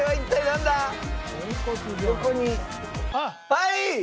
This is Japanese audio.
はい！